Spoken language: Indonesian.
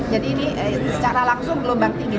jadi ini secara langsung gelombang tinggi